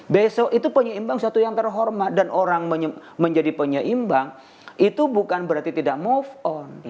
besok itu penyeimbang suatu yang terhormat dan orang menjadi penyeimbang itu bukan berarti tidak move on